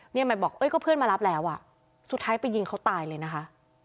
ใหม่บอกเอ้ยก็เพื่อนมารับแล้วอ่ะสุดท้ายไปยิงเขาตายเลยนะคะ